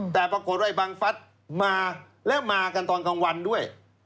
แต่ปรากฏว่าบังฟัฐมาและมากันตอนกลางวันด้วย